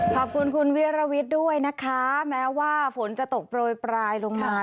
ขอบคุณคุณวิรวิทย์ด้วยนะคะแม้ว่าฝนจะตกโปรยปลายลงมา